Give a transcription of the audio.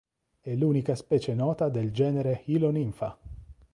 È l'unica specie nota del genere Hylonympha.